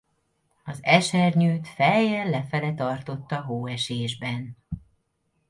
Az esernyőt fejjel lefele tartotta hóesésben.